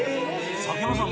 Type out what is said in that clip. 先山さん